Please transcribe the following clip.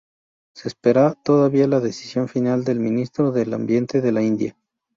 Se espera todavía la decisión final del Ministro del Ambiente de la India.